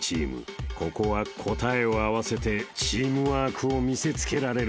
［ここは答えを合わせてチームワークを見せつけられるか？］